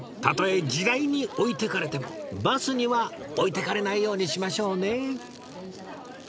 たとえ時代に置いてかれてもバスには置いてかれないようにしましょうね